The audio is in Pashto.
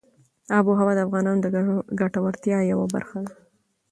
آب وهوا د افغانانو د ګټورتیا یوه برخه ده.